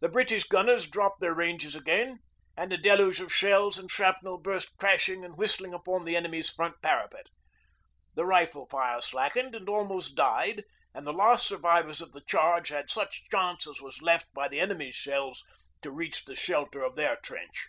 The British gunners dropped their ranges again, and a deluge of shells and shrapnel burst crashing and whistling upon the enemy's front parapet. The rifle fire slackened and almost died, and the last survivors of the charge had such chance as was left by the enemy's shells to reach the shelter of their trench.